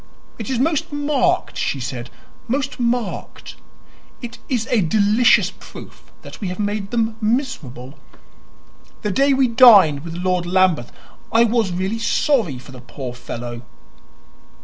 "It is most marked," she said "most marked. It is a delicious proof that we have made them miserable. The day we dined with Lord Lambeth I was really sorry for the poor fellow."